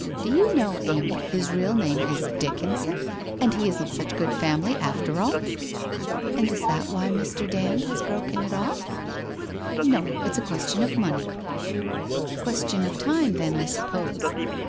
Do you know, Amy, his real name is Dickinson and he isn't such good family after all ?'' And is that why Mr. Dand has broken it off? ' I Xo, it's a question of money.' * Question of time then, I suppose.